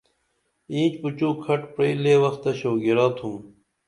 اینچ پُچُو کھٹ پرئی لے وخ تہ شوگِرہ تُھم